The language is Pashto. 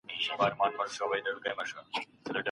په هر حالت کي د بریا په لټه کي اوسئ.